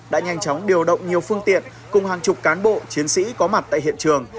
đã nhanh chóng điều động nhiều phương tiện cùng hàng chục cán bộ chiến sĩ có mặt tại hiện trường